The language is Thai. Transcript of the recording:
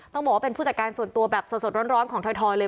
ต้องบอกว่าเป็นผู้จัดการส่วนตัวแบบสดร้อนของถอยเลย